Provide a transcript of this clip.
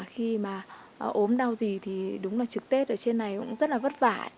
khi mà ốm đau gì thì đúng là trực tết ở trên này cũng rất là vất vả